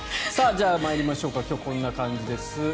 じゃあ、参りましょうか今日、こんな感じです。